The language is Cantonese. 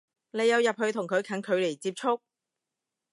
你有入去同佢近距離接觸？